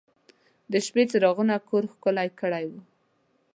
د شپې څراغونو کور ښکلی کړی و.